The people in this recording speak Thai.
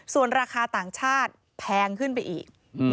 ส่วนราคาต่างชาติแพงขึ้นไปอีก